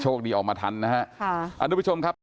โชคดีออกมาทันนะฮะค่ะอันนี้ผู้ชมครับ